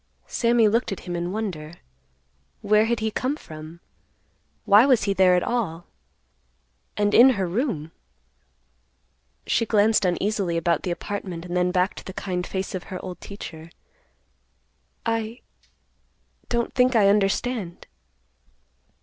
Sammy looked at him in wonder. Where had he come from? Why was he there at all? And in her room? She glanced uneasily about the apartment, and then back to the kind face of her old teacher. "I—don't think I understand."